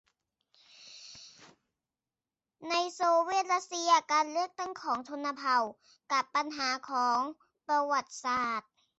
ในโซเวียตรัสเซีย : การเลือกตั้งของชนเผ่า กับ ปัญหาของประวัติศาสตร์